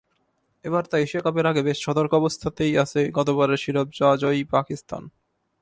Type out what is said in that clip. এবার তাই এশিয়া কাপের আগে বেশ সতর্ক অবস্থাতেই আছে গতবারের শিরোপাজয়ী পাকিস্তান।